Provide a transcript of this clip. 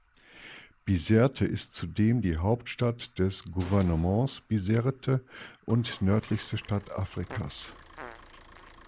Bizerte ist zudem die Hauptstadt des Gouvernements Bizerte und nördlichste Stadt Afrikas.